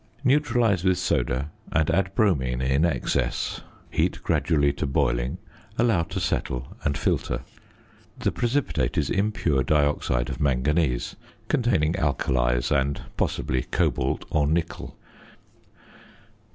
Neutralise with soda, and add bromine in excess; heat gradually to boiling, allow to settle, and filter. The precipitate is impure dioxide of manganese (containing alkalies and, possibly, cobalt or nickel).